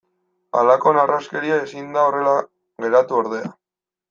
Halako narraskeria ezin da horrela geratu ordea.